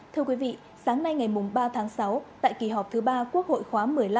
thưa quý vị sáng nay ngày ba tháng sáu tại kỳ họp thứ ba quốc hội khóa một mươi năm